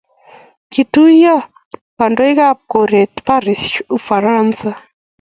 kotuiyo kandoikab koret paris, ufaransa